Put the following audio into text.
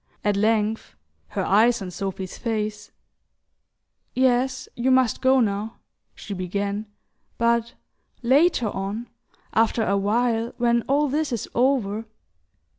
At length, her eyes on Sophy's face: "Yes, you must go now," she began; "but later on ... after a while, when all this is over